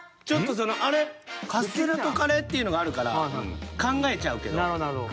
ちょっとそのあれっカステラとカレー？っていうのがあるから考えちゃうけど。